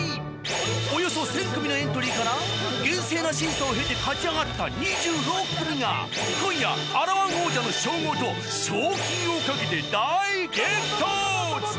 およそ１０００組のエントリーから厳正な審査を経て勝ち上がった２６組が今夜と賞金をかけて大激突！